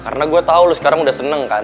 ya karena gue tahu lu sekarang udah seneng kan